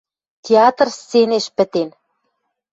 Театр сценеш пӹтен